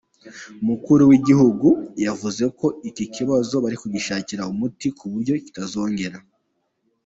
Umukuru w’igihugu yavuze ko iki kibazo bari kugishakira umuti kuburyo kitazongera.